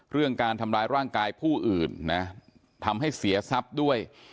เรื่องการทำร้ายร่างกายผู้อื่นนะทำให้เสียทรัพย์ด้วย